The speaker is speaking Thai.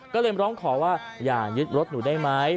ก็เลยมาร้องขอว่าอย่ายึดรถหนูได้ไหม